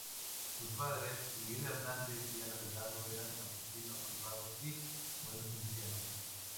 Sus padres, Miguel Hernández y Ana Delgado, eran campesinos honrados y buenos cristianos.